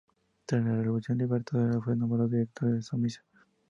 Tras la Revolución Libertadora fue nombrado director de Somisa.